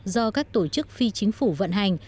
do các tổ chức phi chính phủ vận hành